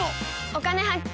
「お金発見」。